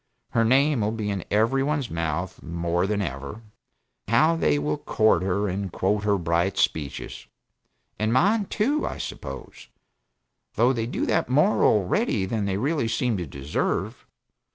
Her name will be in every one's mouth more than ever, and how they will court her and quote her bright speeches. And mine, too, I suppose; though they do that more already, than they really seem to deserve.